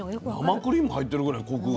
生クリーム入ってるぐらいコクがある。